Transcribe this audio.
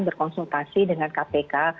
berkonsultasi dengan kpk